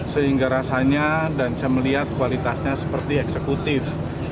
sehingga rasanya dan saya melihat kualitasnya seperti eksekutif